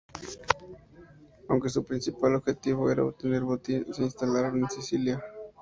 Aunque su principal objetivo era obtener botín, se instalaron en Sicilia.